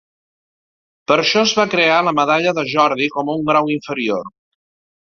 Per això es va crear la Medalla de Jordi com a un grau inferior.